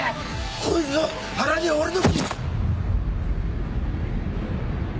こいつの腹には俺の。